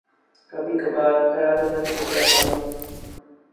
کبھی کبھار خیالوں میں کھو جاتا ہوں